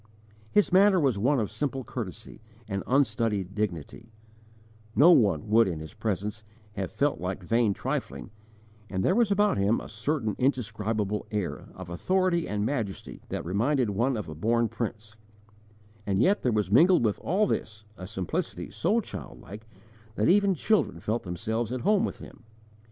His manner was one of simple courtesy and unstudied dignity: no one would in his presence, have felt like vain trifling, and there was about him a certain indescribable air of authority and majesty that reminded one of a born prince; and yet there was mingled with all this a simplicity so childlike that even children felt themselves at home with him.